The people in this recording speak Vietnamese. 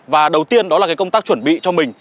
và đầu tiên đó là công tác chuẩn bị cho mình